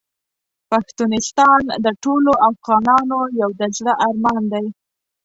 پښتونستان د ټولو افغانانو یو د زړه ارمان دی .